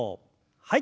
はい。